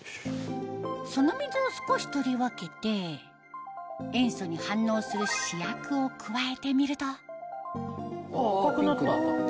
その水を少し取り分けて塩素に反応する試薬を加えてみるとピンクになった。